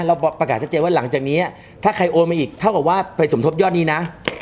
เราประกาศชัดเจนว่าหลังจากนี้ถ้าใครโอนมาอีกเท่ากับว่าไปสมทบยอดนี้นะ